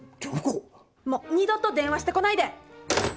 もう二度と電話してこないで！